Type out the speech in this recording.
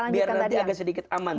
biar nanti agak sedikit aman